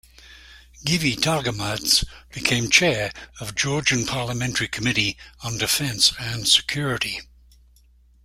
Givi Targamadze, became Chair of Georgian Parliamentary Committee on Defense and Security.